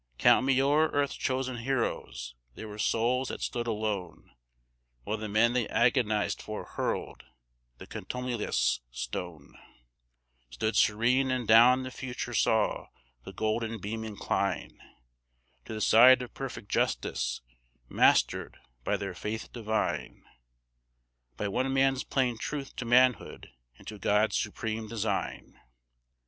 Count me o'er earth's chosen heroes, they were souls that stood alone, While the men they agonized for hurled the contumelious stone, Stood serene, and down the future saw the golden beam incline To the side of perfect justice, mastered by their faith divine, By one man's plain truth to manhood and to God's supreme design.